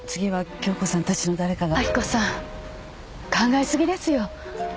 明子さん考え過ぎですよ。